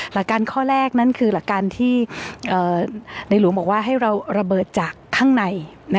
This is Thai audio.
หลักการข้อแรกนั่นคือหลักการที่ในหลวงบอกว่าให้เราระเบิดจากข้างใน